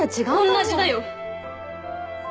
同じだよ。